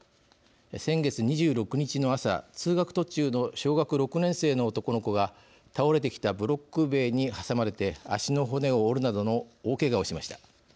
先月２６日の朝通学途中の小学６年生の男の子が倒れてきたブロック塀に挟まれて足の骨を折るなどの大けがをしました。